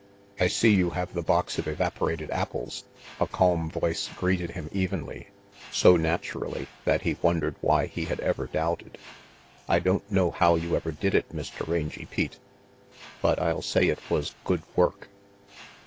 "I see you have the box of evaporated apples," a calm voice greeted him evenly, so naturally that he wondered why he had ever doubted. "I don't know how you ever did it, Mr. Rangy Pete, but I'll say it was good work."